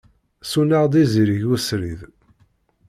Ssuneɣ-d izirig usrid.